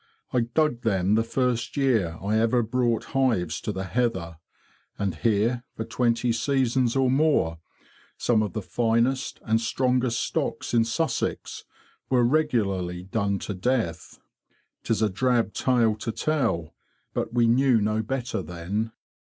I dug them the first year I ever brought hives to the heather; and here, for twenty seasons or more, some of the finest and strongest stocks in Sussex were regularly done to death. 'Tis a drab tale to tell, but we knew no better then.